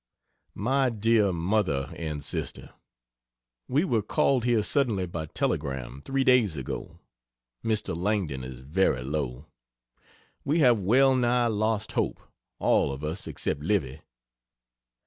MY DEAR MOTHER AND SISTER, We were called here suddenly by telegram, 3 days ago. Mr. Langdon is very low. We have well nigh lost hope all of us except Livy.